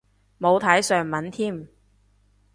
冇睇上文添